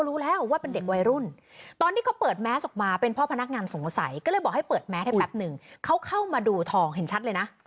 รู้แล้วว่าเป็นเด็กวัยรุ่นตอนที่เขาเปิดแมสออกมาเป็นพ่อพนักงานสงสัยก็เลยบอกให้เปิดแมสให้แป๊บหนึ่งเขาเข้ามาดูทองเห็นชัดเลยนะ